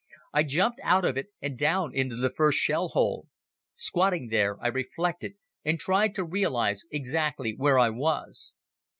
"I jumped out of it and down into the first shell hole. Squatting there I reflected and tried to realize exactly where I was.